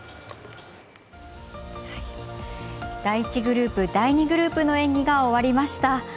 第１グループ第２グループの演技が終わりました。